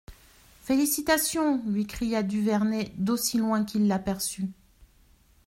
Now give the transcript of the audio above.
Félicitations, lui cria Duvernet d'aussi loin qu'il l'aperçut.